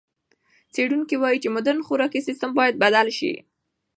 څېړونکي وايي چې مُدرن خوراکي سیستم باید بدل شي.